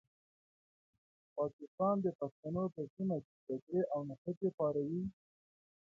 پاکستان د پښتنو په سیمه کې جګړې او نښتې پاروي.